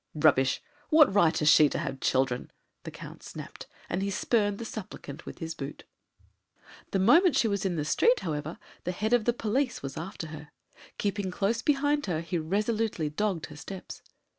"Rubbish! What right has she to have children?" the Count snapped, and he spurned the supplicant with his boot. The moment she was in the street, however, the head of the police was after her. Keeping close behind her, he resolutely dogged her steps.